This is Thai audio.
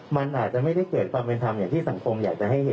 มันอาจจะไม่ได้เกิดความเป็นธรรมอย่างที่สังคมอยากจะให้เห็น